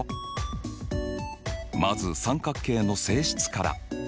まず三角形の性質から。